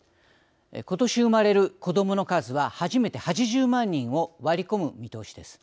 今年生まれる子どもの数は初めて８０万人を割り込む見通しです。